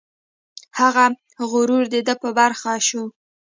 هغه غرور د ده په برخه شو.